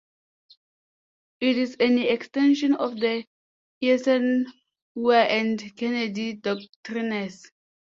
It is an extension of the Eisenhower and Kennedy Doctrines.